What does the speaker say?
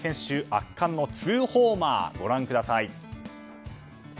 圧巻の２ホーマーご覧ください。